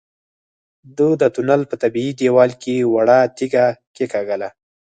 ده د تونل په طبيعي دېوال کې وړه تيږه کېکاږله.